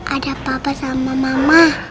ada papa sama mama